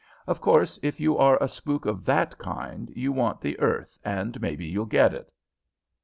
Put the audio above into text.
"Of course, if you are a spook of that kind you want the earth, and maybe you'll get it."